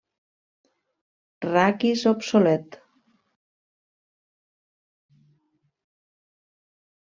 Raquis obsolet.